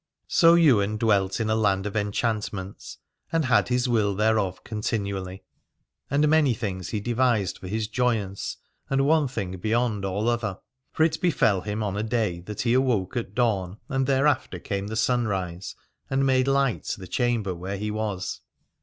So Ywain dwelt in a land of enchantments, and had his will thereof continually. And many things he devised for his joyance, and one thing beyond all other. For it befell him on a day that he awoke at dawn, and thereafter came the sunrise and made light the chamber where he was.